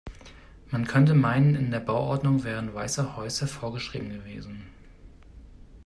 Man könnte meinen in der Bauordnung wären weiße Häuser vorgeschrieben gewesen.